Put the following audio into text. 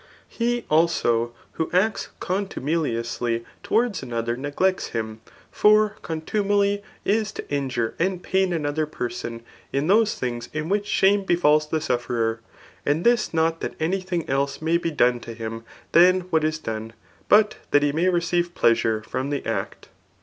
He, also, who zcts contumeliously towards another neglects him ; for contumely is to injure and pain another person in those things in which shame befalls the sufferer, and this not that any thing else may be done to him than what is done, but that he may re ceive pleasure from the act.